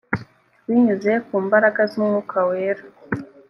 binyuze ku mbaraga z umwuka wera